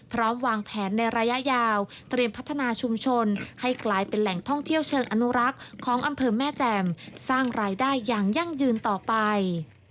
พร้อมวางแผนในระยะยาวเตรียมพัฒนาชุมชนให้กลายเป็นแหล่งท่องเที่ยวเชิงอนุรักษ์ของอำเภอแม่แจ่มสร้างรายได้อย่างยั่งยืนต่อไป